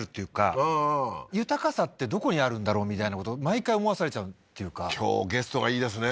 ああー豊かさってどこにあるんだろうみたいなことを毎回思わされちゃうっていうか今日ゲストがいいですね